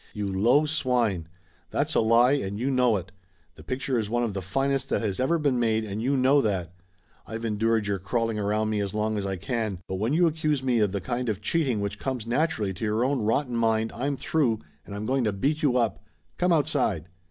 "You low swine! That's a lie and you know it. The picture is one of the finest that has ever been made and you know that! I've endured your crawling around me as long as I can, but when you accuse me of the kind of cheating which comes naturally to your own rotten mind I'm through and I'm going to beat you up ! Come outside